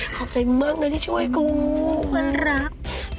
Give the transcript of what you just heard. ขอบใจมากนะที่ช่วยกูมันรัก